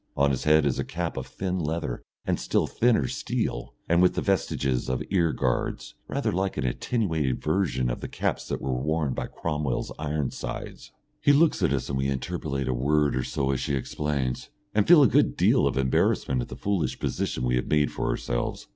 On his head is a cap of thin leather and still thinner steel, and with the vestiges of ear guards rather like an attenuated version of the caps that were worn by Cromwell's Ironsides. He looks at us and we interpolate a word or so as she explains and feel a good deal of embarrassment at the foolish position we have made for ourselves.